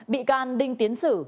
bị can đinh tiến sử